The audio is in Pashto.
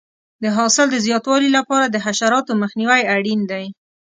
د حاصل د زیاتوالي لپاره د حشراتو مخنیوی اړین دی.